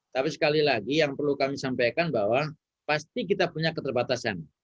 tapi sekali lagi yang perlu kami sampaikan bahwa pasti kita punya keterbatasan